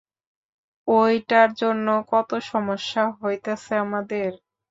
ওইটার জন্য কত সমস্যা, হইতাছে আমাদের।